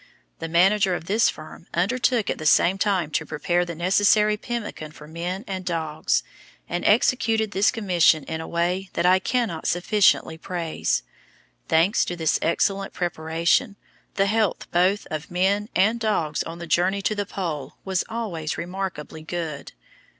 The manager of this firm undertook at the same time to prepare the necessary pemmican for men and dogs, and executed this commission in a way that I cannot sufficiently praise. Thanks to this excellent preparation, the health both of men and dogs on the journey to the Pole was always remarkably good.